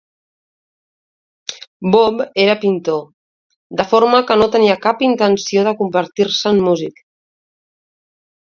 Bob era pintor, de forma que no tenia cap intenció de convertir-se en músic.